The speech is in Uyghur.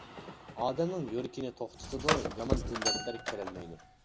ئادەمنىڭ يۈرىكىنى توختىتىدۇ، يامان ئىللەتلەر كىرەلمەيدۇ.